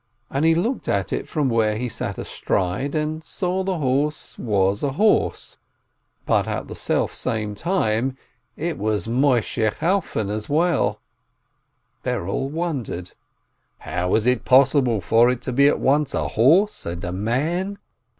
And he looked at it from where he sat astride, and saw the horse was a horse, but at the selfsame time it was Moisheh Chalfon as well. Berel wondered: how is it possible for it to be at once a horse and a man?